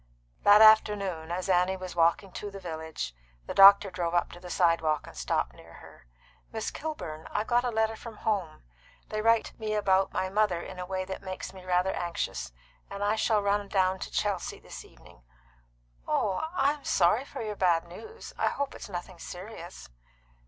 That afternoon, as Annie was walking to the village, the doctor drove up to the sidewalk, and stopped near her. "Miss Kilburn, I've got a letter from home. They write me about my mother in a way that makes me rather anxious, and I shall run down to Chelsea this evening." "Oh, I'm sorry for your bad news. I hope it's nothing serious."